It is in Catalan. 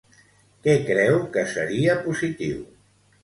Què creu que seria positiu?